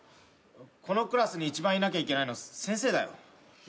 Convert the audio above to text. このクラスに一番いなきゃいけないのは先生だよ。